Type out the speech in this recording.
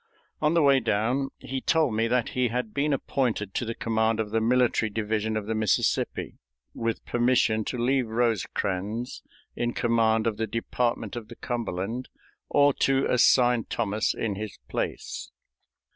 On the way down he told me that he had been appointed to the command of the "Military Division of the Mississippi," with permission to leave Rosecrans in command of the Department of the Cumberland or to assign Thomas in his place.